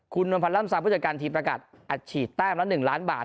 คุณมันพันร่ำสามผู้จัดการทีมประกาศอัดฉีดแต้มละหนึ่งล้านบาท